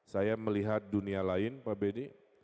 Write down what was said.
saya melihat dunia lain pak benny